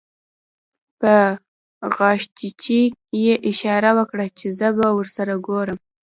په غاښچيچي يې اشاره وکړه چې زه به درسره ګورم.